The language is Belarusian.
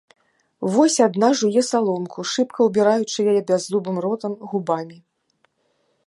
Вось адна жуе саломку, шыбка ўбіраючы яе бяззубым ротам, губамі.